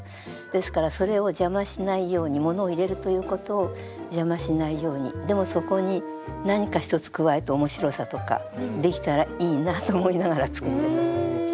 ですからそれを邪魔しないようにものを入れるということを邪魔しないようにでもそこに何か一つ加えて面白さとかできたらいいなと思いながら作ってます。